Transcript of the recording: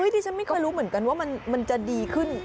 ดีจะมีการรู้เหมือนกันว่ามันมันจะดีขึ้น